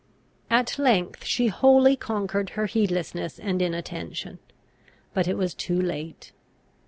At length she wholly conquered her heedlessness and inattention. But it was too late.